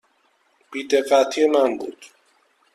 بی دقتی من بود.